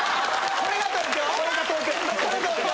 これが東京？